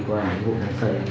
xây dựng ở đây